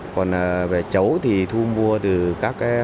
còn về trấu thì thu mua từ các hộ gia đình rồi nhà máy xay sát